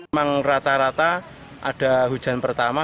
memang rata rata ada hujan pertama